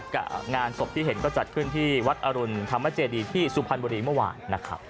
กับงานศพที่เห็นก็จัดขึ้นที่วัดอรุณธรรมเจดีที่สุพรรณบุรีเมื่อวานนะครับ